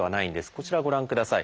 こちらご覧ください。